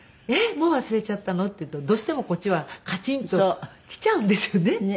もう忘れちゃったのっていうとどうしてもこっちはカチンときちゃうんですよね。